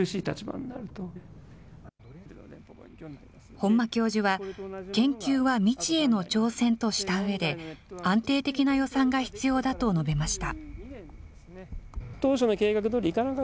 本間教授は、研究は未知への挑戦としたうえで、安定的な予算が必要だと述べました。